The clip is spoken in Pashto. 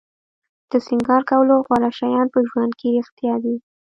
د سینګار کولو غوره شیان په ژوند کې رښتیا دي.